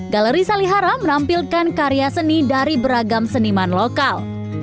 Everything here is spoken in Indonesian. galeri salihara menampilkan karya seni dari beragam seniman lokal